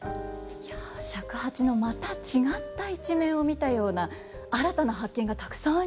いや尺八のまた違った一面を見たような新たな発見がたくさんありました。